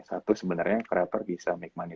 satu sebenarnya creator bisa make money